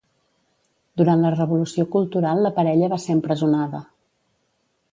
Durant la Revolució Cultural la parella va ser empresonada.